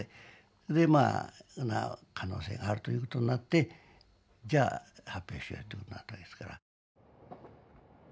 まあそんな可能性があるということになってじゃあ発表しようってことになったわけですから。